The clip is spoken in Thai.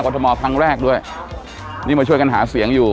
ทมครั้งแรกด้วยนี่มาช่วยกันหาเสียงอยู่